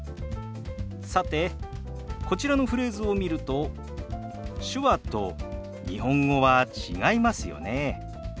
さてこちらのフレーズを見ると手話と日本語は違いますよね。